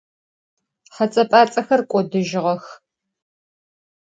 Hets'e - p'ats'exer k'odıjığex.